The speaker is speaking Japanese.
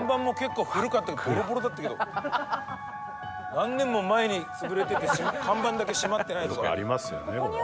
何年も前に潰れてて看板だけしまってないとか。